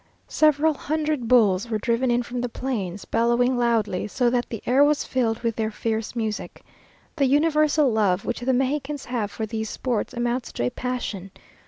Seven hundred bulls were driven in from the plains, bellowing loudly, so that the air was filled with their fierce music. The universal love which the Mexicans have for these sports, amounts to a passion.